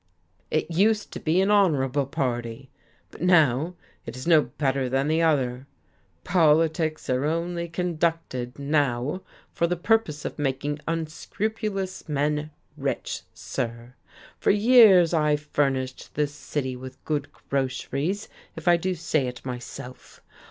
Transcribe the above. "It used to be an honourable party, but now it is no better than the other. Politics are only conducted, now, for the purpose of making unscrupulous men rich, sir. For years I furnished this city with good groceries, if I do say it myself.